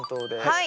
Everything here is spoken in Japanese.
はい。